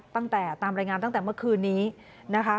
ตามรายงานตั้งแต่เมื่อคืนนี้นะคะ